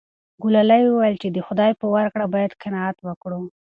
ګلالۍ وویل چې د خدای په ورکړه باید قناعت وکړو.